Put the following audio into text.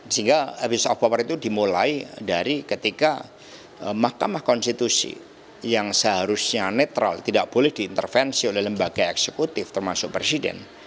sehingga abuse of power itu dimulai dari ketika mahkamah konstitusi yang seharusnya netral tidak boleh diintervensi oleh lembaga eksekutif termasuk presiden